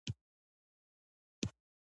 نیکه د وخت ارزښت بیانوي.